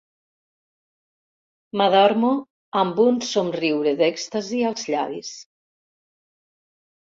M'adormo amb un somriure d'èxtasi als llavis.